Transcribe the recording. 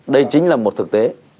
đây chính là một thực tế